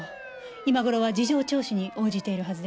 今頃は事情聴取に応じているはずです。